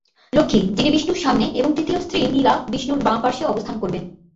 লক্ষ্মী যিনি বিষ্ণুর সামনে এবং তৃতীয় স্ত্রী নীলা বিষ্ণুর বাম পার্শ্বে অবস্থান করবেন।